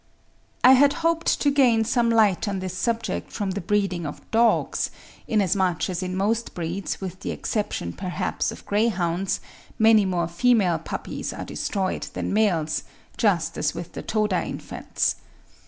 I had hoped to gain some light on this subject from the breeding of dogs; inasmuch as in most breeds, with the exception, perhaps, of greyhounds, many more female puppies are destroyed than males, just as with the Toda infants.